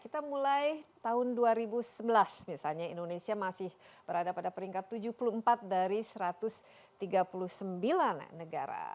pada tahun dua ribu tiga belas indonesia naik ke peringkat tujuh puluh dari satu ratus empat puluh sembilan negara